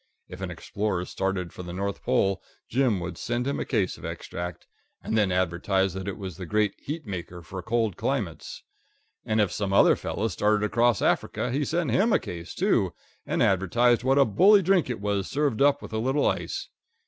If an explorer started for the North Pole, Jim would send him a case of Extract, and then advertise that it was the great heat maker for cold climates; and if some other fellow started across Africa he sent him a case, too, and advertised what a bully drink it was served up with a little ice.